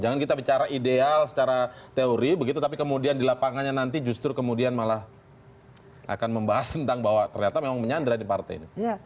jangan kita bicara ideal secara teori begitu tapi kemudian di lapangannya nanti justru kemudian malah akan membahas tentang bahwa ternyata memang menyandra di partai ini